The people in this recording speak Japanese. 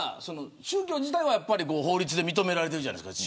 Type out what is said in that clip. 宗教自体は法律で認められているじゃないですか。